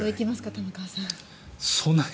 玉川さん。